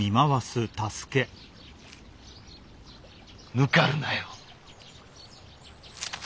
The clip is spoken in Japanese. ぬかるなよ。